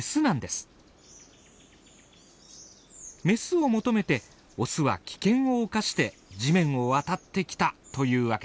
メスを求めてオスは危険を冒して地面を渡ってきたというわけです。